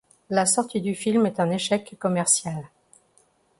La sortie du film est un échec commercial.